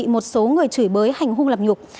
một số người chửi bới hành hung làm nhục